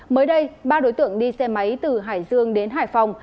mới đây ba đối tượng đi xe máy từ hải dương đến hải phòng